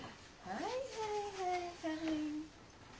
はい。